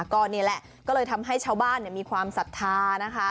ก็นี่แหละก็เลยทำให้ชาวบ้านมีความศรัทธานะคะ